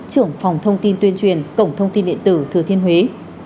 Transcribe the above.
trưởng phòng thông tin tuyên truyền cổng thông tin điện tử thừa thiên huế